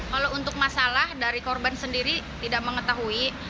kalau untuk masalah dari korban sendiri tidak mengetahui